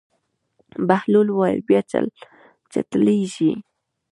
بهلول وویل: بیا چټلېږي.